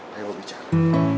saya mau bicara